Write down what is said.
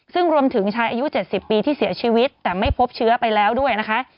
ซึ่งรวมถึงชายอายุ๗๐ปีที่เสียชีวิตแต่ไม่พบเชื้อไปแล้วด้วยนะคะ